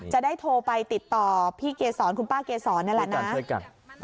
จะได้โทรไปติดต่อพี่เกษรคุณป้าเกษรนั่นล่ะนะ